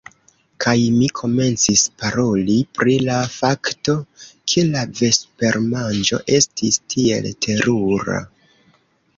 Kaj mi komencis paroli pri la fakto, ke la vespermanĝo estis tiel terura.